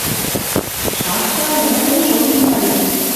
Шакта, ӹла тоныжок Михӓлӓ.